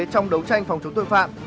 trong đấu tranh phòng chống tội phạm